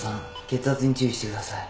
血圧に注意してください。